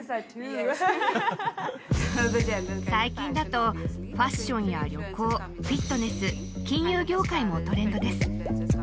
最近だとファッションや旅行フィットネス金融業界もトレンドです